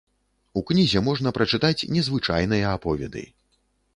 У кнізе можна прачытаць незвычайныя аповеды.